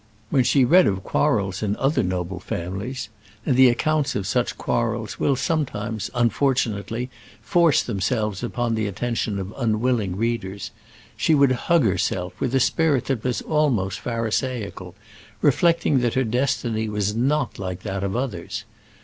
When she read of quarrels in other noble families and the accounts of such quarrels will sometimes, unfortunately, force themselves upon the attention of unwilling readers she would hug herself, with a spirit that was almost pharisaical, reflecting that her destiny was not like that of others.